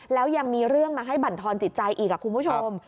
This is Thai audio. แล้วยังมีเรื่องมาให้บรรทอนจิตใจอีกคุณผู้ชม